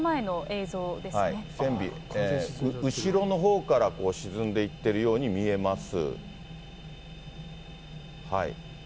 船尾、後ろのほうから沈んでいってるように見えます。